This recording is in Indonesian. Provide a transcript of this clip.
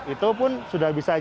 itu pun sudah bisa